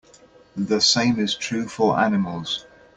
The same is true for animals.